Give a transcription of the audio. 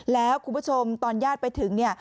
แล้วคุณผู้ชมตอนญาติไปถึงเนี่ย